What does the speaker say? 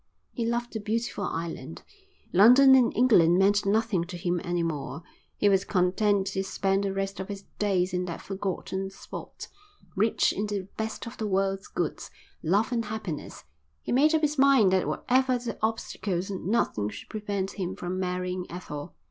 He loved the beautiful island. London and England meant nothing to him any more, he was content to spend the rest of his days in that forgotten spot, rich in the best of the world's goods, love and happiness. He made up his mind that whatever the obstacles nothing should prevent him from marrying Ethel.